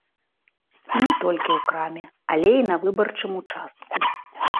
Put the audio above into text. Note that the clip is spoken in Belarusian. І не толькі ў краме, але і на выбарчым участку.